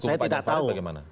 saya tidak tahu